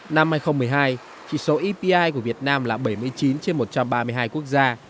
năm hai nghìn một mươi hai chỉ số epi của việt nam là bảy mươi chín trên một trăm ba mươi hai quốc gia